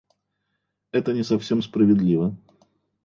Это не совсем справедливо.